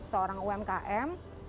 bagi seorang umkm